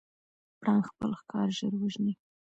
پړانګ خپل ښکار ژر وژني.